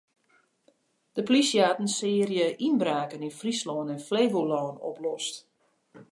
De plysje hat in searje ynbraken yn Fryslân en Flevolân oplost.